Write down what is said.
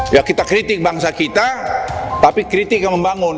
ya kita kritik bangsa kita tapi kritik yang membangun